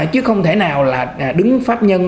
chứ không thể nào là đứng pháp nhân